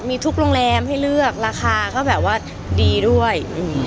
มีทุกโรงแรมให้เลือกราคาเขาแบบว่าดีด้วยอืมอืม